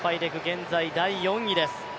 現在第４位です。